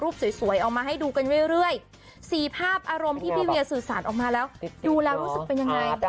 ภาพอารมณ์ที่พี่เวียสื่อสารออกมาแล้วดูแล้วรู้สึกเป็นยังไง